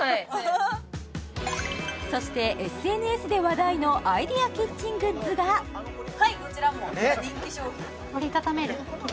そしてＳＮＳで話題のアイデアキッチングッズがはいこちらも人気商品知ってます？